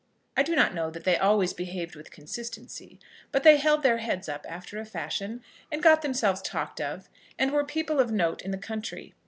I do not know that they always behaved with consistency; but they held their heads up after a fashion, and got themselves talked of, and were people of note in the country.